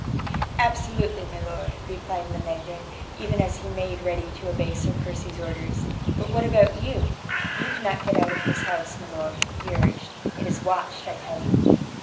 "Absolutely, milor," replied Lenegre, even as he made ready to obey Sir Percy's orders, "but what about you? You cannot get out of this house, milor," he urged; "it is watched, I tell you."